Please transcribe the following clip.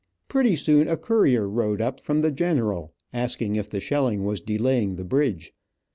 Pretty soon a courier rode up, from the general, asking if the shelling was delaying the bridge.